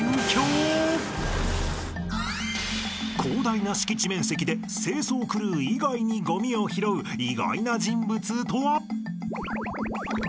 ［広大な敷地面積で清掃クルー以外にごみを拾う意外な人物とは？］